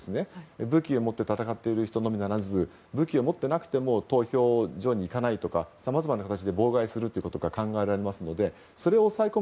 武器を持って戦っている人のみならず武器を持っていなくても投票所に行かないとかさまざまな形で妨害が考えられるのでそれを抑え込む